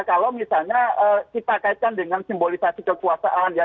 kalau misalnya kita kaitkan dengan simbolisasi kekuasaan ya